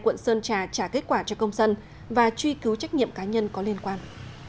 quận sơn trà trả kết quả cho công dân và truy cứu trách nhiệm cá nhân có liên quan